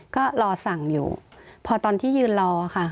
ก็รอสั่งอยู่พอตอนที่ยืนรอค่ะ